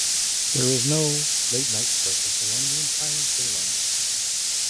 There is no late night service along the entire J line.